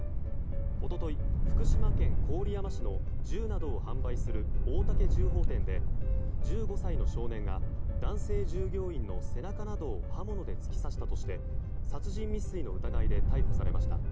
一昨日、福島県郡山市の銃などを販売する大竹銃砲店で１５歳の少年が男性従業員の背中などを刃物で突き刺したとして殺人未遂の疑いで逮捕されました。